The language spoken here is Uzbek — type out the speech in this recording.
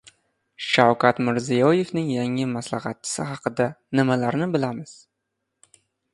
Shavkat Mirziyoyevning yangi maslahatchisi haqida nimalarni bilamiz?